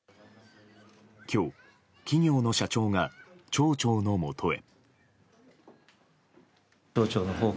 今日、企業の社長が町長のもとへ。